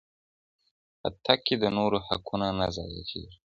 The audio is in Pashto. په تګ کې د نورو حقونه نه ضایع کېږي.